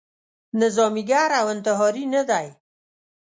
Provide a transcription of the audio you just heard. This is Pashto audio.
نظاميګر او انتحاري نه دی.